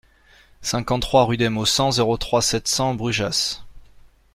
cinquante-trois rue des Maussangs, zéro trois, sept cents Brugheas